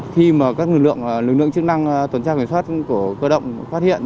khi mà các lực lượng chức năng tuần tra kiểm soát của cơ động phát hiện